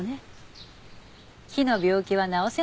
木の病気は治せないのよ。